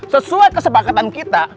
sesuai kesepakatan kita